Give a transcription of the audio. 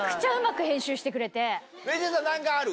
ＭａｙＪ．さん何かある？